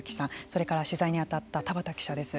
それから取材に当たった田畑記者です。